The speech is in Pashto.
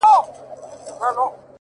څه ژوند كولو ته مي پريږده كنه ،